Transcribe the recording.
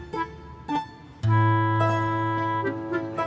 maka kau harus aprendah